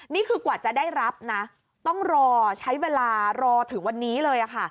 นี่คือกว่าจะได้รับนะต้องรอใช้เวลารอถึงวันนี้เลย